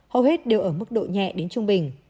hầu hết đều ở mức độ nhẹ đến trung bình